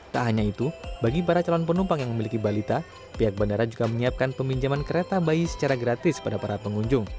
tak hanya itu bagi para calon penumpang yang memiliki balita pihak bandara juga menyiapkan peminjaman kereta bayi secara gratis pada para pengunjung